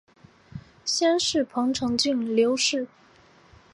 先世彭城郡刘氏。